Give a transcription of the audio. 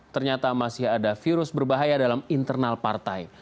ternyata masih ada virus berbahaya dalam internal partai